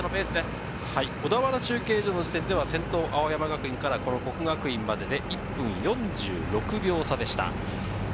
小田原中継所の時点では先頭・青山から國學院まで１分４６秒差でした。